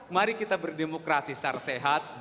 mari kita berdemokrasi secara sehat